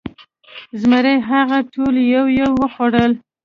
زمري هغه ټول یو یو وخوړل.